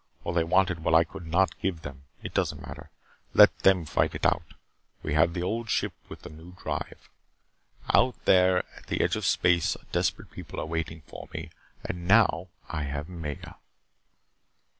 Or they wanted what I could not give them. It doesn't matter. Let them fight it out. We have the Old Ship with the New Drive. Out there at the edge of space a desperate people are waiting for me. And now I have Maya.